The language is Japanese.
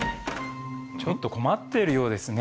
ちょっと困ってるようですね。